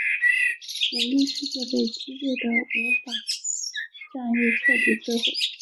舞律世界被激烈的舞法战役彻底摧毁。